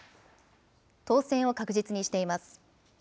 当選を確実にしています。